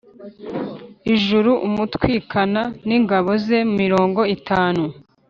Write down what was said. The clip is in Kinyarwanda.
ijuru umutwikana n ingabo ze mirongo itanu